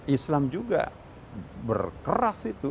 islam juga berkeras itu